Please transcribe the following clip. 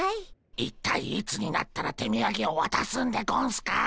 一体いつになったら手みやげをわたすんでゴンスか？